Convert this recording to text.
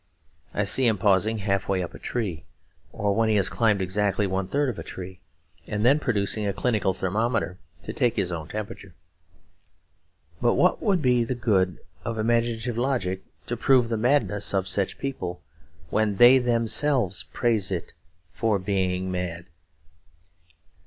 I see him pausing half way up a tree, or when he has climbed exactly one third of a tree; and then producing a clinical thermometer to take his own temperature. But what would be the good of imaginative logic to prove the madness of such people, when they themselves praise it for being mad?